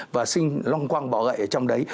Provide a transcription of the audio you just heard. và sinh long quăng bọ gậy ở trong đấy